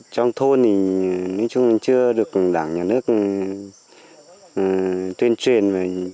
trong thôn thì nói chung là chưa được đảng nhà nước tuyên truyền